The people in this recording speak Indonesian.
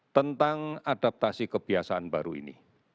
tentang adaptasi kebiasaan baru ini